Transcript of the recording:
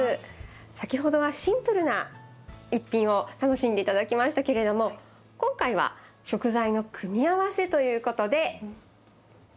先ほどはシンプルな一品を楽しんで頂きましたけれども今回は食材の組み合わせということで。